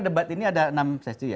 debat ini ada enam sesi ya